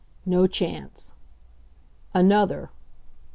No chance. Another.